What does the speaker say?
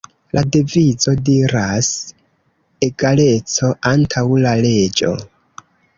La devizo diras, "Egaleco Antaŭ La Leĝo.